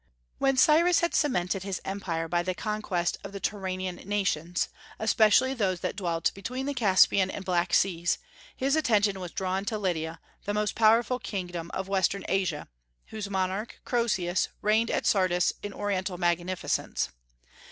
When Cyrus had cemented his empire by the conquest of the Turanian nations, especially those that dwelt between the Caspian and Black seas, his attention was drawn to Lydia, the most powerful kingdom of western Asia, whose monarch, Croesus, reigned at Sardis in Oriental magnificence.